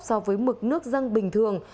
so với mực nước răng bình thường